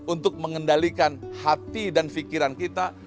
untuk mengendalikan hati dan pikiran kita